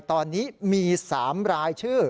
ตอนนี้มี๓รายชื่อ